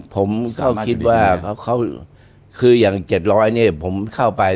ผมก็คิดว่าเขาคืออย่าง๗๐๐เนี่ยผมเข้าไป